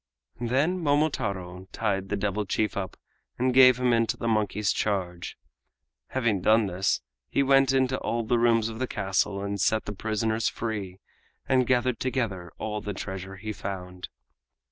Then Momotaro tied the devil chief up and gave him into the monkey's charge. Having done this, he went into all the rooms of the castle and set the prisoners free and gathered together all the treasure he found.